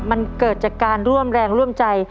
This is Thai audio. มันเกิดจากการร่วมแรงร่วมใจ